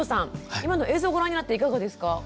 今の映像をご覧になっていかがですか？